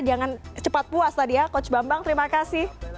jangan cepat puas tadi ya coach bambang terima kasih